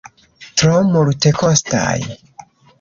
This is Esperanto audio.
Tro multekostaj.